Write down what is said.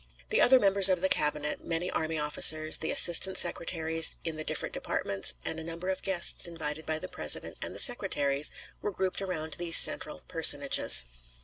The other members of the Cabinet, many army officers, the assistant secretaries in the different departments, and a number of guests invited by the President and the secretaries, were grouped around these central personages.